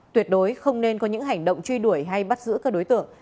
tuyệt đối không nên có những hành động truy đuổi hay bắt giữ các đối tượng